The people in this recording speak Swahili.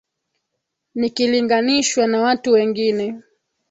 Nikilinganishwa na watu wengine